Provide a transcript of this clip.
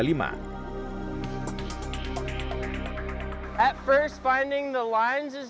pertama kali menemukan jalan ini sulit tapi sungai ini sangat menyenangkan